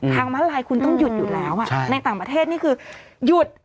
ม้าลายคุณต้องหยุดอยู่แล้วในต่างประเทศนี่คือหยุด